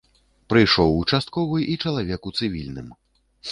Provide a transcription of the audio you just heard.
Прыйшоў участковы і чалавек у цывільным.